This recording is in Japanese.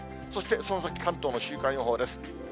そしてその先、関東の週間予報です。